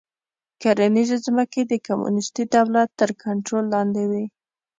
کرنیزې ځمکې د کمونېستي دولت تر کنټرول لاندې وې